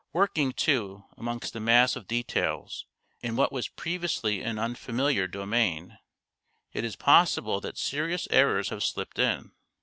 Working, too, amongst a mass of details, in what was previously an unfamiliar domain, it is possible that serious errors have slipped in.